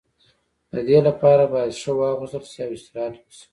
د دې لپاره باید ښه واغوستل شي او استراحت وشي.